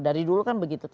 dari dulu kan begitu